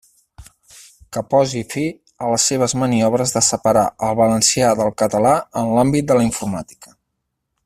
Que posi fi a les seves maniobres de separar el valencià del català en l'àmbit de la informàtica.